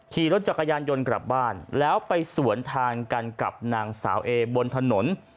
ขี่รถจักรยานยนต์กลับบ้านแล้วไปสวนทางกันกับนางสาวเอบนถนน